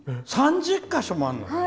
３０か所もあるの！